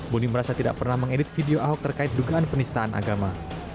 boni merasa tidak pernah mengedit video ahok terkait dugaan penistaan agama